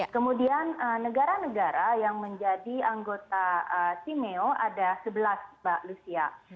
kemudian negara negara yang menjadi anggota timo ada sebelas mbak lucia